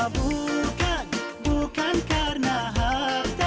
bukan kau tak perlu harta